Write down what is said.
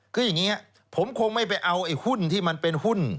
คืออย่างนี้ผมคงไม่ไปเอาไอ้หุ้นที่มันเป็นหุ้น